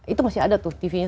itu masih ada tuh tv nya